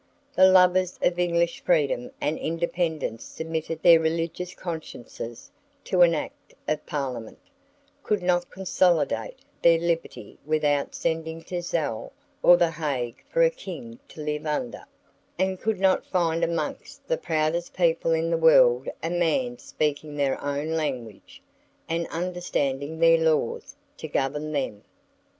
The lovers of English freedom and independence submitted their religious consciences to an Act of Parliament; could not consolidate their liberty without sending to Zell or the Hague for a king to live under; and could not find amongst the proudest people in the world a man speaking their own language, and understanding their laws, to govern them.